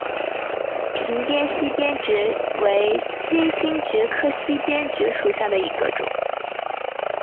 屏边溪边蕨为金星蕨科溪边蕨属下的一个种。